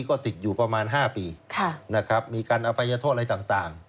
ก็ติดอยู่ประมาณ๕ปีนะครับมีการอภัยโทษอะไรต่าง